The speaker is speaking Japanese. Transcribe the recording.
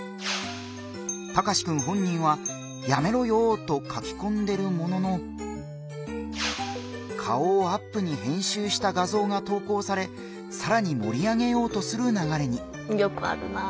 タカシくん本人は「やめろよー」と書きこんでるものの顔をアップに編集した画像が投稿されさらに盛り上げようとするながれに。